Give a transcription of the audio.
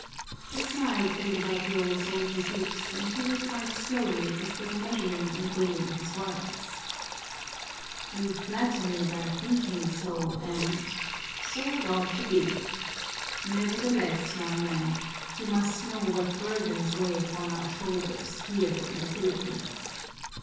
A smile played about the old soldier's lips and he replied slowly, as though measuring and weighing his words, "You flatter me by thinking so, and so it ought to be. Nevertheless, young man, you must know what burdens weigh upon our shoulders here in the Philippines.